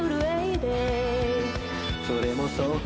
「それもそっか」